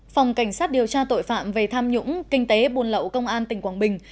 phòng cảnh sát điều tra tội phạm về tham nhũng kinh tế buồn lậu công an tỉnh quảng bình